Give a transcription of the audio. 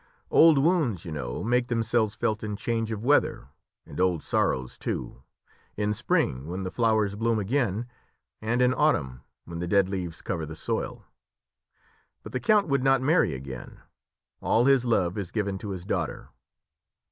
Old wounds you know, make themselves felt in change of weather and old sorrows too in spring when the flowers bloom again, and in autumn when the dead leaves cover the soil. But the count would not marry again; all his love is given to his daughter."